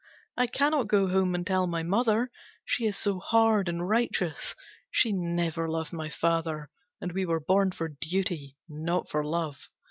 I cannot go home and tell my mother. She is so hard and righteous. She never loved my father, and we were born for duty, not for love.